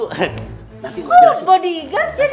kok bodyguard jadinya